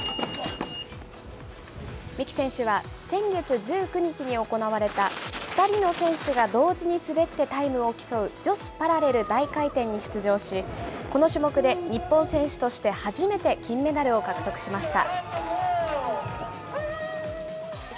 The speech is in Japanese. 三木選手は、先月１９日に行われた、２人の選手が同時に滑ってタイムを競う女子パラレル大回転に出場し、この種目で日本選手として初めて金メダルを獲得しました。